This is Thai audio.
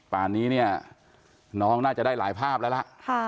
ป่านนี้เนี่ยน้องน่าจะได้หลายภาพแล้วล่ะ